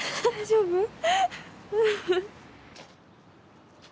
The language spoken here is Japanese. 大丈夫！